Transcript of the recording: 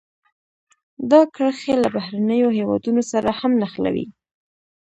دا کرښې له بهرنیو هېوادونو سره هم نښلوي.